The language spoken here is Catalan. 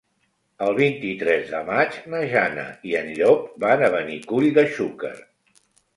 El vint-i-tres de maig na Jana i en Llop van a Benicull de Xúquer.